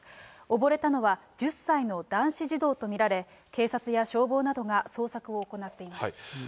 溺れたのは、１０歳の男子児童と見られ、警察や消防などが捜索を行っています。